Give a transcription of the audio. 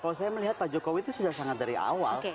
kalau saya melihat pak jokowi itu sudah sangat dari awal